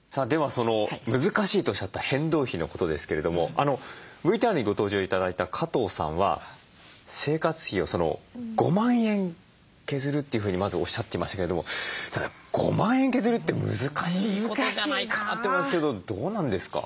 その難しいとおっしゃった変動費のことですけれどもＶＴＲにご登場頂いた加藤さんは生活費を５万円削るというふうにまずおっしゃっていましたけれども５万円削るって難しいことじゃないかなと思うんですけどどうなんですか？